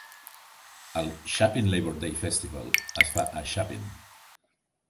El Chapin Labor Day Festival es fa a Chapin.